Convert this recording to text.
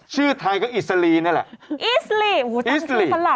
ชื่อไทยก็อิสลีนี่แหละอิสลีโอ้โหตั้งชื่อฝรั่งฮะอิสลี